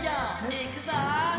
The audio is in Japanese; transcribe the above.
いくぞ！